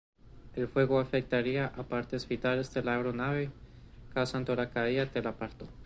El fuego afectaría a partes vitales de la aeronave, causando la caída del aparato.